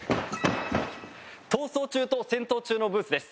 「逃走中」と「戦闘中」のブースです。